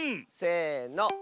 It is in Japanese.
せの。